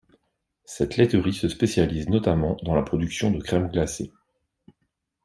Cette laiterie se spécialise notamment dans la production de crème glacée.